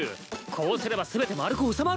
こうすれば全て丸く収まるんだぞ。